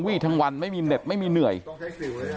ก็ไม่ไหนแบบเรียกเป็นเรื่อยอ่า